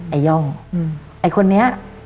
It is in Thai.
ย่องไอ้คนนี้